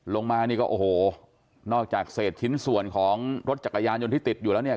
ลงมานี่ก็โอ้โหนอกจากเศษชิ้นส่วนของรถจักรยานยนต์ที่ติดอยู่แล้วเนี่ย